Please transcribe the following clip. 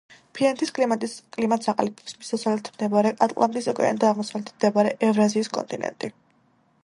ფინეთის კლიმატს აყალიბებს მის დასავლეთით მდებარე ატლანტის ოკეანე და აღმოსავლეთით მდებარე ევრაზიის კონტინენტი.